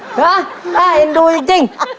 เหรอได้เห็นดูจริง